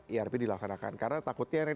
irp dilaksanakan karena takutnya